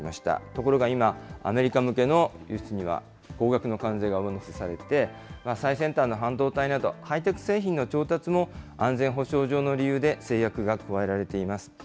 ところが今、アメリカ向けの輸出には高額の関税が上乗せされて、最先端の半導体など、ハイテク製品の調達も、安全保障上の理由で制約が加えられています。